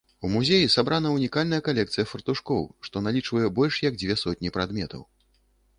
У музеі сабрана ўнікальная калекцыя фартушкоў, што налічвае больш як дзве сотні прадметаў.